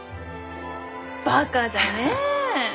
バカじゃねえ。